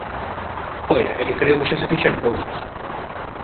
Oia, é que creo que xa se fixeron cousas.